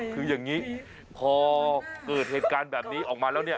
คืออย่างนี้พอเกิดเหตุการณ์แบบนี้ออกมาแล้วเนี่ย